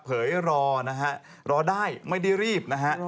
เผยรอนะฮะรอได้ไม่ได้รีบนะฮะ